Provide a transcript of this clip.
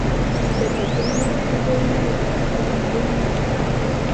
De pequeña, tuvo una educación muy limitada.